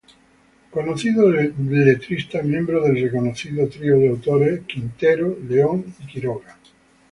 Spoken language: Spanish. Conocido letrista miembro del reconocido trío de autores Quintero, León y Quiroga.